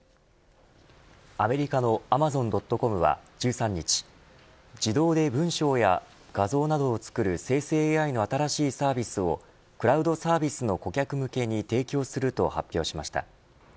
アメリカのアマゾン・ドット・コムは１３日自動で文章や画像などを作る生成ＡＩの新しいサービスをクラウドサービスの顧客向けに提供すると発表しました。